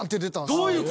どういう事？